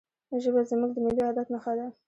ژبه زموږ د ملي وحدت نښه ده.